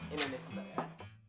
ini nih sebentar ya